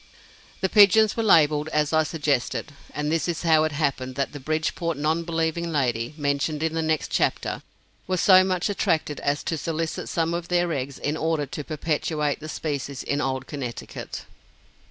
The pigeons were labeled as I suggested, and this is how it happened that the Bridgeport non believing lady, mentioned in the next chapter, was so much attracted as to solicit some of their eggs in order to perpetuate the species in old Connecticut.